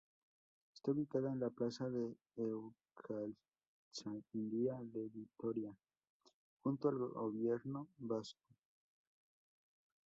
Está ubicada en la plaza de Euskaltzaindia de Vitoria, junto al Gobierno vasco.